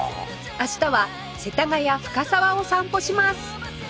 明日は世田谷深沢を散歩します